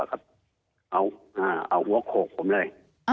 เขาเอาหัวโขกผมเลย